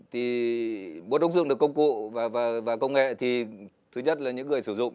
thì muốn ứng dụng được công cụ và công nghệ thì thứ nhất là những người sử dụng